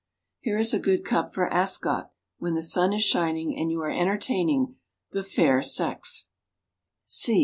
Here is a good cup for Ascot, when the sun is shining, and you are entertaining the fair sex.